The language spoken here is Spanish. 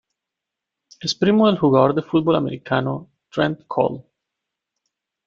Es primo del jugador de Futbol Americano, Trent Cole.